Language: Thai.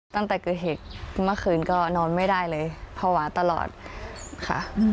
ตั้งแต่เกิดเหตุเมื่อคืนก็นอนไม่ได้เลยภาวะตลอดค่ะ